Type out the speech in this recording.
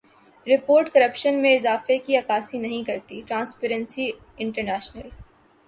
report corruption میں اضافے کی عکاسی نہیں کرتی ٹرانسپیرنسی انٹرنیشنل